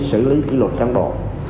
nếu không thì phải xử lý kỷ luật trang bộ